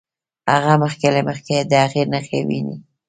هغه مخکې له مخکې د هغې نښې ويني.